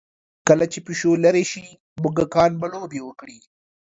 کله چې پیشو لرې شي، موږکان به لوبې وکړي.